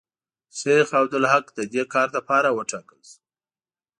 شیخ عبدالحق د دې کار لپاره وټاکل شو.